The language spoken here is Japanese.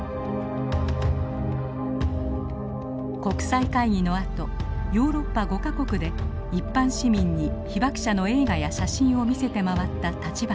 国際会議のあとヨーロッパ５か国で一般市民に被爆者の映画や写真を見せて回った立花さん。